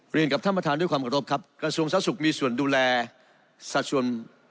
กับท่านประธานด้วยความขอรบครับกระทรวงสาธารสุขมีส่วนดูแลสัดส่วน